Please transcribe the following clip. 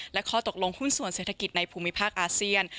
และข้อตกลงหุ้นส่วนเศรษฐกิจในภูมิภาคอาเซียน